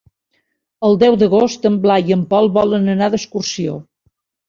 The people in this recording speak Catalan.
El deu d'agost en Blai i en Pol volen anar d'excursió.